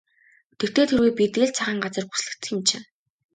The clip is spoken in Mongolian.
Тэртэй тэргүй бид ил цагаан газар бүслэгдсэн юм чинь.